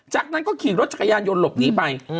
จากนั้นก็ขี่รถจักรยานยนต์หลบหนีไป